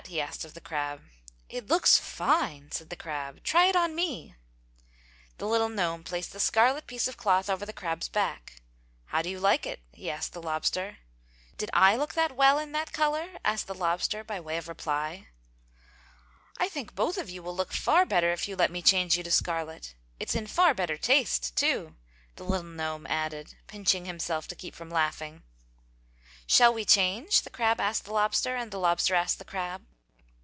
he asked of the crab. "It looks fine!" said the crab. "Try it on me!" The little gnome placed the scarlet piece of cloth over the crab's back. "How do you like it?" he asked the lobster. "Did I look that well in that color?" asked the lobster by way of reply. "I think both of you will look far better if you let me change you to scarlet. It's in far better taste, too!" the little gnome added, pinching himself to keep from laughing. "Shall we change?" the crab asked the lobster and the lobster asked the crab.